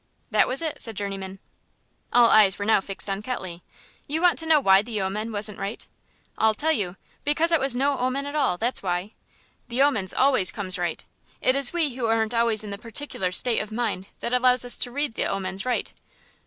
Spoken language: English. "That was it," said Journeyman. All eyes were now fixed on Ketley. "You want to know why the omen wasn't right? I'll tell you because it was no omen at all, that's why. The omens always comes right; it is we who aren't always in the particular state of mind that allows us to read the omens right."